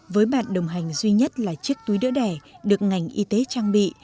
với bạn đồng hành duy nhất là chiếc túi đỡ đẻ được ngành y tế trang bị